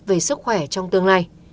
về sức khỏe trong tương lai